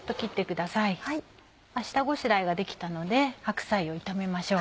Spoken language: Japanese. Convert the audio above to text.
下ごしらえができたので白菜を炒めましょう。